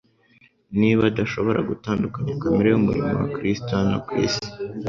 Niba adashobora gutandukanya kamere y'umurimo wa Kristo hano ku isi,